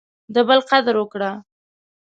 د بل قدر وکړه.